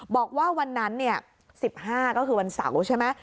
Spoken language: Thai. บอกว่าวันนั้น๑๕ก็คือวันเสาร์ใช่ไหม